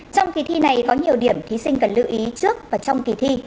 trong kỳ thi này có nhiều điểm thí sinh cần lưu ý trước và trong kỳ thi